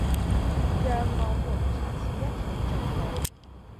讓我們下次一起進步